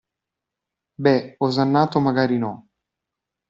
Beh, osannato magari no.